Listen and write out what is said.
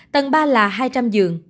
tầng ba là hai trăm linh dường